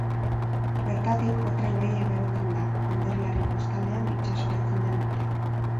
Bertatik, Otra ibaia igarotzen da, konderriaren kostaldean itsasoratzen den arte.